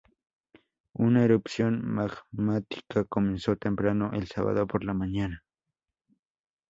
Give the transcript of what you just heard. Una erupción magmática comenzó temprano el sábado por la mañana.